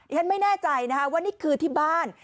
ฉันไม่แน่ใจนะคะว่านี่คือที่บ้าน